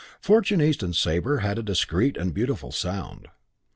Fortune, East and Sabre had a discreet and beautiful sound.